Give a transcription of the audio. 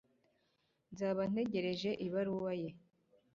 Nzaba ntegereje ibaruwa ye.